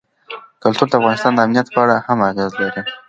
کلتور د افغانستان د امنیت په اړه هم اغېز لري.